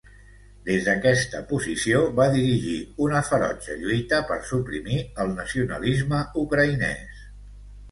Des d'aquesta posició, va dirigir una ferotge lluita per suprimir el nacionalisme ucraïnès.